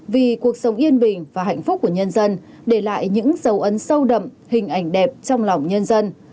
vì cuộc sống yên bình và hạnh phúc của nhân dân để lại những dấu ấn sâu đậm hình ảnh đẹp trong lòng nhân dân